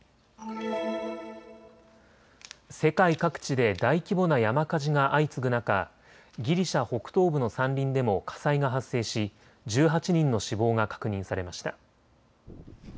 世界各地で大規模な山火事が相次ぐ中、ギリシャ北東部の山林でも火災が発生し１８人の死亡が確認されました。